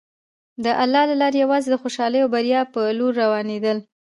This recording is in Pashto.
د الله له لارې یوازې د خوشحالۍ او بریا په لور روانېدل.